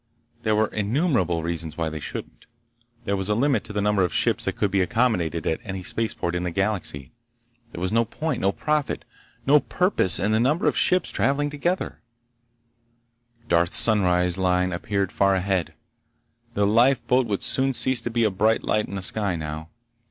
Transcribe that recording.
There were innumerable reasons why they shouldn't. There was a limit to the number of ships that could be accommodated at any spaceport in the galaxy. There was no point, no profit, no purpose in a number of ships traveling together— Darth's sunrise line appeared far ahead. The lifeboat would soon cease to be a bright light in the sky, now.